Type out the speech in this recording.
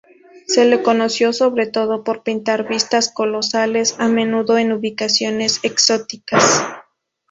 Se le conoció, sobre todo, por pintar vistas colosales, a menudo en ubicaciones exóticas.